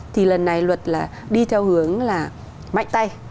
thì lần này luật là đi theo hướng là mạnh tay